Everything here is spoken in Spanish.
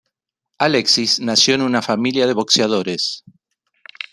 Alexis nació en una familia de boxeadores.